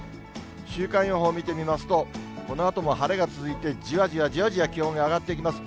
週間予報見てみますと、このあとも晴れが続いて、じわじわじわじわ気温が上がっていきます。